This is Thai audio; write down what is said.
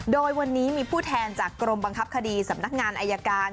โดยวันนี้มีผู้แทนจากกรมบังคับคดีสำนักงานอายการ